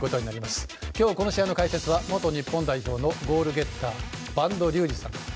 今日、この試合の解説は元日本代表のボールゲッター播戸竜二さん。